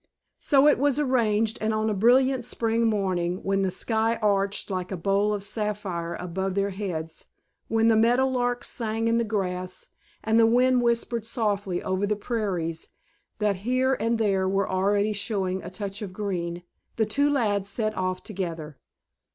So it was arranged, and on a brilliant spring morning, when the sky arched like a bowl of sapphire above their heads, when the meadow larks sang in the grass and the wind whispered softly over the prairies that here and there were already showing a touch of green, the two lads set off together.